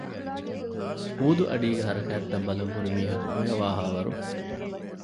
މޫދުއަޑީގެ ހަރަކާތްތައް ބަލަން ހުރި މީހަކު މޮޔަވާހާވަރު